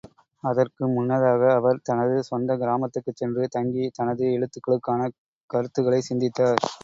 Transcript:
அதற்கு முன்னதாக அவர் தனது சொந்தக் கிராமத்துக்குச் சென்று தங்கி தனது எழுத்துக்களுக்கான கருக்களைச் சிந்தித்தார்.